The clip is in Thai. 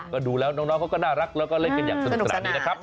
ก็ดูแล้วน้องเขาก็น่ารักแล้วก็เล่นกันอย่างสนุกสนานนี้นะครับ